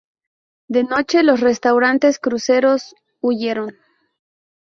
De noche los restantes cruceros huyeron.